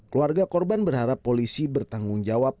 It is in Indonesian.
keluarga korban berharap polisi bertanggung jawab